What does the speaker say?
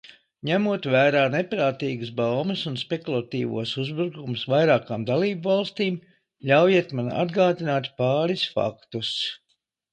Ņemot vērā neprātīgās baumas un spekulatīvos uzbrukumus vairākām dalībvalstīm, ļaujiet man atgādināt pāris faktus.